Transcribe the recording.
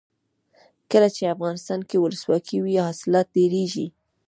کله چې افغانستان کې ولسواکي وي حاصلات ډیریږي.